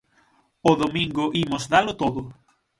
O domingo imos dalo todo.